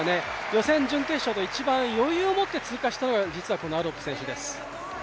予選、準決勝と一番余裕を持って通過したのはこのアロップ選手です。